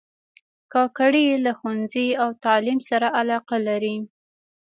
کاکړي له ښوونځي او تعلیم سره علاقه لري.